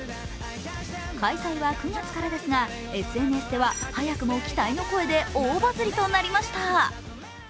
開催は９月からですがＳＮＳでは早くも期待の声で大バズりとなりました。